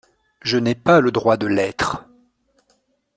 Je n'ai pas le droit de l'être.